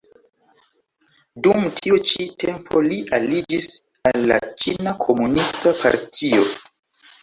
Dum tiu ĉi tempo li aliĝis al la Ĉina Komunista Partio.